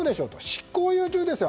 執行猶予中ですよ